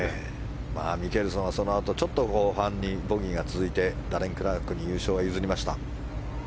ミケルソンはそのあと後半にボギーが続いてダレン・クラークに優勝を譲りました。